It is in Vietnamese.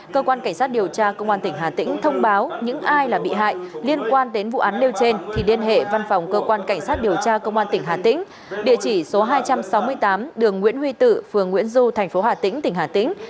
cơ quan cảnh sát điều tra công an tỉnh hà tĩnh thông báo những ai là bị hại liên quan đến vụ án nêu trên thì liên hệ văn phòng cơ quan cảnh sát điều tra công an tỉnh hà tĩnh địa chỉ số hai trăm sáu mươi tám đường nguyễn huy tự phường nguyễn du thành phố hà tĩnh tỉnh hà tĩnh